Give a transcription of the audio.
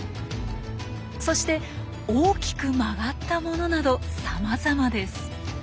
そして大きく曲がったものなどさまざまです。